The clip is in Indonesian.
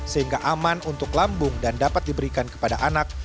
sehingga aman untuk lambung dan dapat diberikan kepada anak